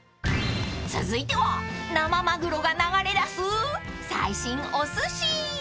［続いては生マグロが流れ出す最新おすし］